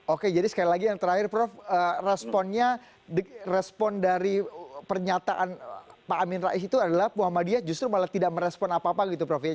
oke jadi sekali lagi yang terakhir prof respon dari pernyataan pak amin rais itu adalah muhammadiyah justru malah tidak merespon apa apa gitu prof ya